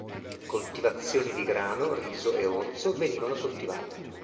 Coltivazioni di grano, riso e orzo venivano coltivate.